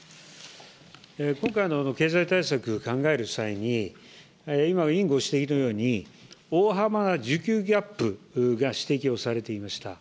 今回の経済対策を考える際に、今、委員ご指摘のように、大幅な需給ギャップが指摘をされていました。